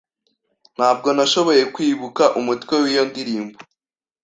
Ntabwo nashoboye kwibuka umutwe w'iyo ndirimbo.